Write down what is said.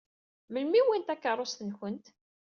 Melmi i wwin takeṛṛust-nkent?